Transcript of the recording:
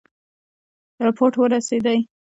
رپوټ ورسېدی.